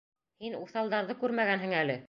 Һин уҫалдарҙы күрмәгәнһең әле!